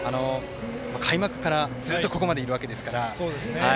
開幕から、ずっとここまでいるわけですから。